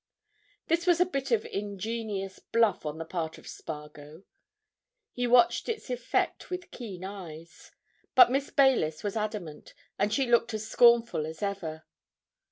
This was a bit of ingenious bluff on the part of Spargo; he watched its effect with keen eyes. But Miss Baylis was adamant, and she looked as scornful as ever.